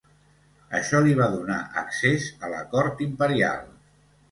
Això li va donar accés a la cort imperial.